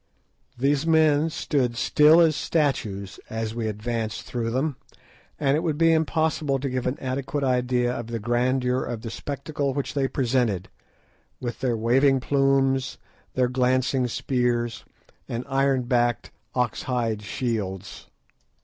These men stood still as statues as we advanced through them, and it would be impossible to give an adequate idea of the grandeur of the spectacle which they presented, with their waving plumes, their glancing spears, and iron backed ox hide shields.